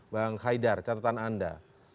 bang haidar catatan anda